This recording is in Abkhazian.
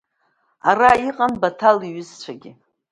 Ара иҟан Баҭал иҩызцәагьы…